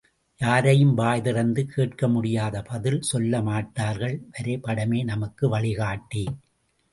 யாரையும் வாய் திறந்து கேட்க முடியாது பதில் சொல்ல மாட்டார்கள் வரைபடமே நமக்கு வழிகாட்டி.